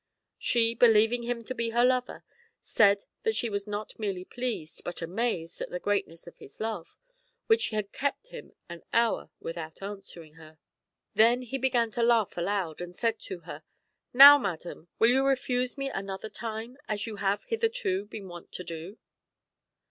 She, believing him to be her lover, said that she was not merely pleased but amazed at the greatness of his love, which had kept him an hour without answering her. Then he began to laugh aloud, and said to her " Now, madam, will you refuse me another time, as you have hitherto been wont to do